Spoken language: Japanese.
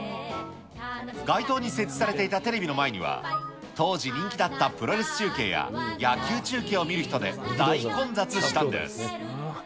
街頭に設置されていたテレビの前には、当時人気だったプロレス中継や、野球中継を見る人で大混雑したんです。